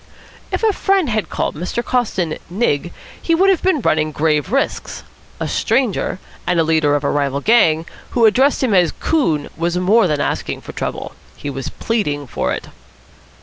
If a friend had called Mr. Coston "Nig" he would have been running grave risks. A stranger, and a leader of a rival gang, who addressed him as "coon" was more than asking for trouble. He was pleading for it.